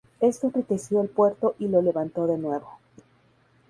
Esto enriqueció el puerto y lo levantó de nuevo.